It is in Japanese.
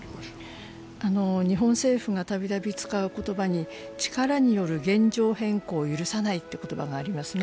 日本政府がたびたび使う言葉に力による現状変更を許さないという言葉がありますね。